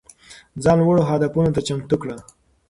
ځان لوړو هدفونو ته چمتو کړه.